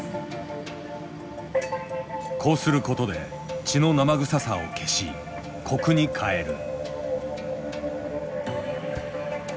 こうする事で血の生臭さを消しコクに変える。